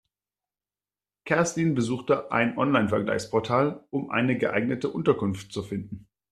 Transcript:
Kerstin besuchte ein Online-Vergleichsportal, um eine geeignete Unterkunft zu finden.